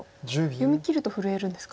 読みきると震えるんですか。